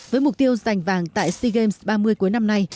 với mục tiêu giành vàng tại sea games ba mươi cuối năm nay